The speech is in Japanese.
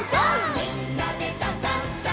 「みんなでダンダンダン」